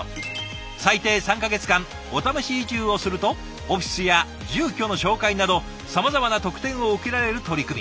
最低３か月間おためし移住をするとオフィスや住居の紹介などさまざまな特典を受けられる取り組み。